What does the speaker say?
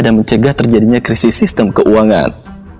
dan mencegah terjadinya krisis sistem keuangan